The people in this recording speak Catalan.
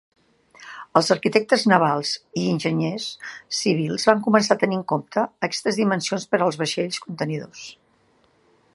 Els arquitectes navals i enginyers civils van començar a tenir en compte aquestes dimensions per als vaixells contenidors.